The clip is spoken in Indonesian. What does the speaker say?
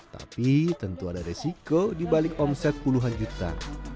tapi tentu ada resiko dibalik omset puluhan juta